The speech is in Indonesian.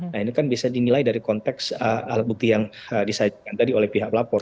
nah ini kan bisa dinilai dari konteks alat bukti yang disajikan tadi oleh pihak lapor